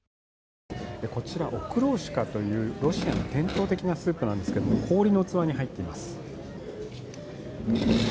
こちらオクローシカというロシアの伝統的なスープなんですけれども氷の器に入っています。